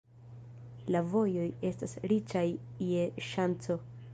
La vojoj estas riĉaj je ŝanco.